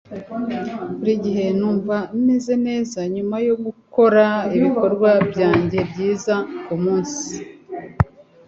Buri gihe numva meze neza nyuma yo gukora ibikorwa byanjye byiza kumunsi.